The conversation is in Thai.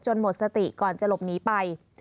หมดสติก่อนจะหลบหนีไป